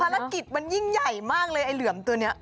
ภารกิจมันยิ่งใหญ่มากเลยไอ้เหลือมตัวนี้